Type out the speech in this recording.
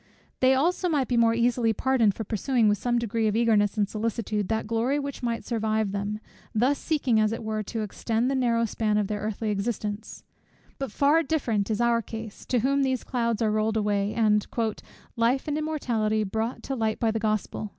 They also might be more easily pardoned for pursuing with some degree of eagerness and solicitude that glory which might survive them, thus seeking as it were to extend the narrow span of their earthly existence: but far different is our case, to whom these clouds are rolled away, and "life and immortality brought to light by the Gospel."